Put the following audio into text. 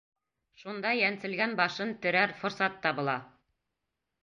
Шунда йәнселгән башын терәр форсат табыла.